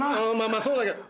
まぁそうだけど。